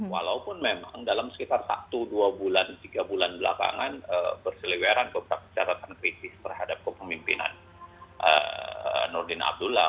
walaupun memang dalam sekitar satu dua bulan tiga bulan belakangan berseliweran beberapa catatan kritis terhadap kepemimpinan nurdin abdullah